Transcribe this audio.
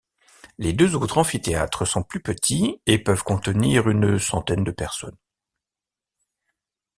Les deux autres amphithéâtres sont plus petits et peuvent contenir une centaine de personnes.